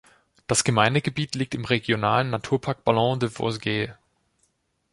Das Gemeindegebiet liegt im Regionalen Naturpark Ballons des Vosges.